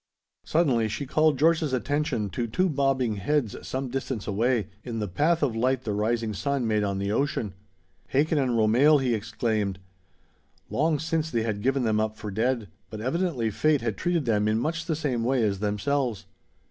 Suddenly she called George's attention to two bobbing heads some distance away in the path of light the rising sun made on the ocean. "Hakin and Romehl!" he exclaimed. Long since they had given them up for dead; but evidently fate had treated them in much the same way as themselves.